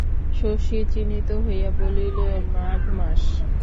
শশী চিন্তিত হইয়া বলিল, মাঘ মাস?